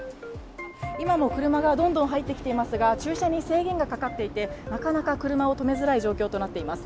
今も車がどんどん入ってきていますが、駐車に制限がかかっていて、なかなか車を止めづらい状況となっています。